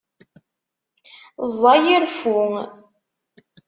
Ẓẓay i reffu!